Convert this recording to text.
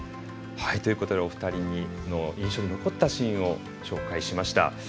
お二人の印象に残ったシーンを紹介しました。